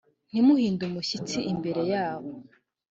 ntimuhinde umushyitsi imbere yabo.